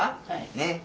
ねっ。